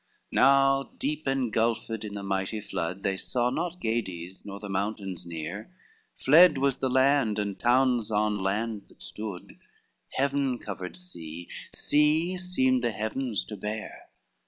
XXIV Now deep engulphed in the mighty flood They saw not Gades, nor the mountains near, Fled was the land, and towns on land that stood, Heaven covered sea, sea seemed the heavens to bear.